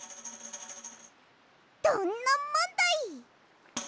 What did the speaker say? どんなもんだい！